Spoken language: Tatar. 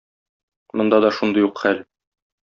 Монда да шундый ук хәл.